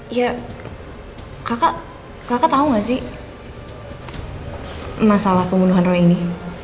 iya kakak kakak tau enggak sih masalah pembunuhan roy ini